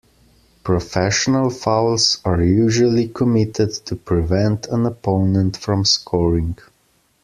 Professional fouls are usually committed to prevent an opponent from scoring.